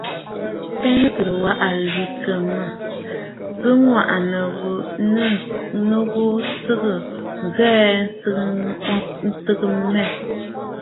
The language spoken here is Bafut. Pensə̀lə̀ wa a lwìtə̀ ǹsɨgə, bɨ ŋwàʼànə̀ nɨ ghu siʼi a ghuʼu nsɨgə ntɨgə mmɛ.